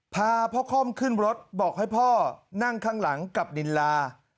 พาพ่อค่อมขึ้นรถบอกให้พ่อนั่งข้างหลังกับดินลา